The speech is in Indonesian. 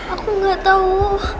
aku gak tau